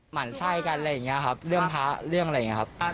หั่นไส้กันอะไรอย่างนี้ครับเรื่องพระเรื่องอะไรอย่างนี้ครับ